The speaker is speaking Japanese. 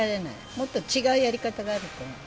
もっと違うやり方があると思う。